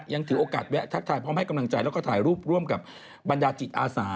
ถือโอกาสแวะทักทายพร้อมให้กำลังใจแล้วก็ถ่ายรูปร่วมกับบรรดาจิตอาสา